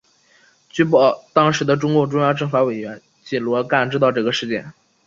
据报当时的中共中央政法委书记罗干知道这个事件。